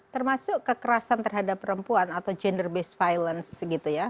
termasuk kekerasan terhadap perempuan atau gender based violence gitu ya